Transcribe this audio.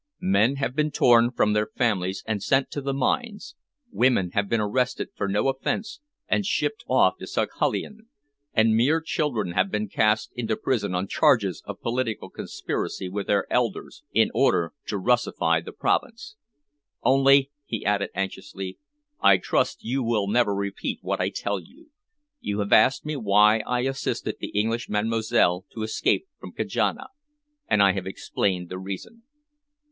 Men have been torn from their families and sent to the mines, women have been arrested for no offense and shipped off to Saghalien, and mere children have been cast into prison on charges of political conspiracy with their elders in order to Russify the province! Only," he added anxiously, "I trust you will never repeat what I tell you. You have asked me why I assisted the English Mademoiselle to escape from Kajana, and I have explained the reason."